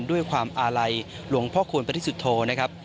ด้วยความอาลัยหลวงพ่อคูณปริสุทธโธนะครับ